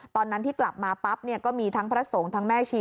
ตอนนั้นที่กลับมาปั๊บเนี่ยก็มีทั้งพระสงฆ์ทั้งแม่ชี